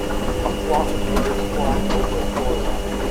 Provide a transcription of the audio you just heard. A flock of birds flying over a shoreline.